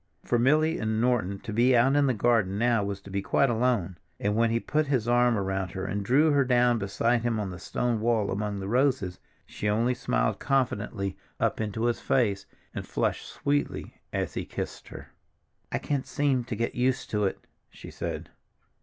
For Milly and Norton to be out in the garden now was to be quite alone, and when he put his arm around her and drew her down beside him on the stone wall among the roses, she only smiled confidingly up into his face, and flushed sweetly as he kissed her. "I can't seem to get used to it," she said.